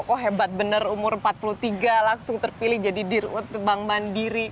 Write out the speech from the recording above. kok hebat bener umur empat puluh tiga langsung terpilih jadi dirut bank mandiri